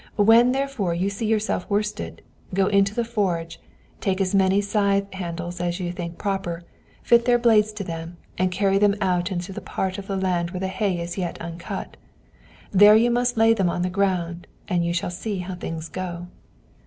When therefore you see yourself worsted, go into the forge, take as many scythe handles as you think proper, fit their blades to them, and carry them out into that part of the land where the hay is yet uncut. There you must lay them on the ground, and you shall see how things go."